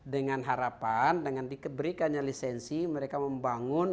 dengan harapan dengan diberikannya lisensi mereka membangun